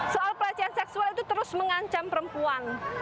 soal pelecehan seksual itu terus mengancam perempuan